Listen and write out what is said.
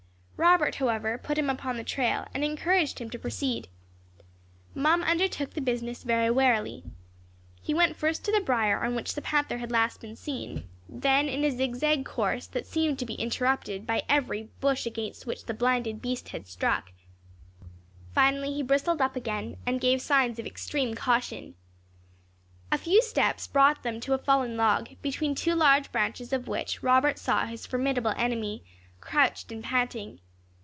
Robert, however, put him upon the trail, and encouraged him to proceed. Mum undertook the business very warily. He went first to the brier on which the panther had last been seen; then in a zigzag course, that seemed to be interrupted by every bush against which the blinded beast had struck; finally he bristled up again, and gave signs of extreme caution. A few steps brought them to a fallen log, between two large branches of which Robert saw his formidable enemy, crouched and panting.